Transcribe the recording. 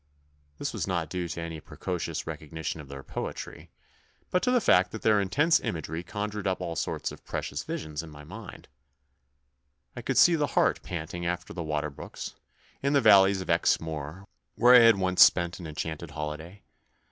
This was not due to any precocious recognition of their poetry, but to the fact that their intense imagery conjured up all sorts of precious visions in my mind, I could see the hart panting after the water brooks, in the valleys of Exmoor, where I had once spent an enchanted holiday.